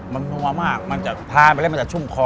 มันนัวมากมันจะทานไปแล้วมันจะชุ่มคอ